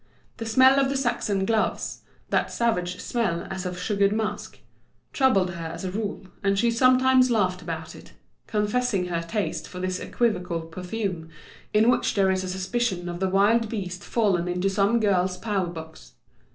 The smell of the Saxon gloves—that savage smell as of sugared musk—troubled her as a rule; and she sometimes laughed about it, confessing her taste for this equivocal perfume, in which there is a suspicion of the wild beast fallen into some girl's powderbox.